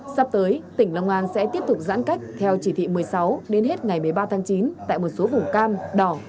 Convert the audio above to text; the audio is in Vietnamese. sắp tới tỉnh long an sẽ tiếp tục giãn cách theo chỉ thị một mươi sáu đến hết ngày một mươi ba tháng chín tại một số vùng cam đỏ